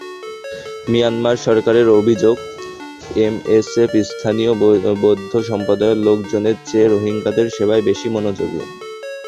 Myanmar সরকারের অভিযোগ, MSF স্থানীয় বৌদ্ধ সম্প্রদায়ের লোকজনের চেয়ে রোহিঙ্গাদের সেবায় বেশি মনোযোগী।